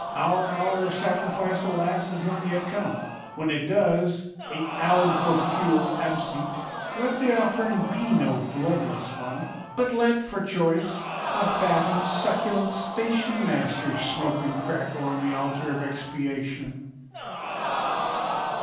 Our hour of sacrifice, alas, has not yet come. When it does—(et haud procul absit!)—let the offering be no bloodless one, but let (for choice) a fat and succulent stationmaster smoke and crackle on the altar of expiation!